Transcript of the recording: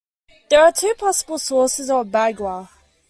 There are two possible sources of "bagua".